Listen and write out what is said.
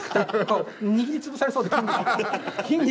握り潰されそうで筋肉を。